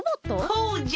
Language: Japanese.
そうじゃ！